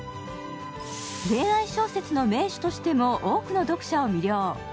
恋愛小説の名手としても多くの読者を魅了。